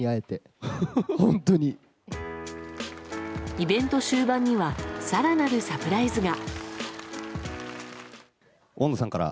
イベント終盤には更なるサプライズが。